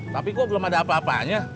tapi kok belum ada apa apanya